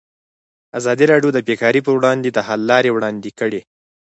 ازادي راډیو د بیکاري پر وړاندې د حل لارې وړاندې کړي.